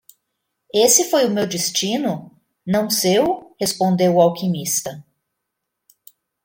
"Esse foi o meu destino? não seu?" respondeu o alquimista.